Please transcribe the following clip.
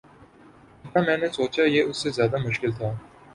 جتنا میں نے سوچا یہ اس سے زیادہ مشکل تھا